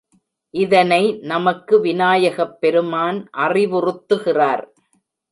இதனை நமக்கு விநாயகப் பெருமான் அறிவுறுத்துகிறார்.